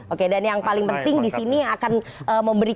oke dan yang paling penting disini akan memberikan